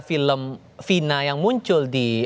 film vina yang muncul di